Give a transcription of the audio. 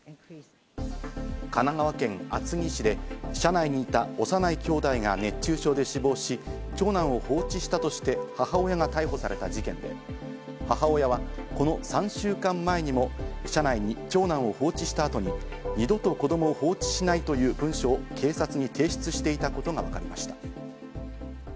神奈川県厚木市で車内にいた幼いきょうだいが熱中症で死亡し、長男を放置したとして母親が逮捕された事件で、母親はこの３週間前にも車内に長男を放置した後に二度と子供放置しないという文章を警察に提出してたことがわかりました。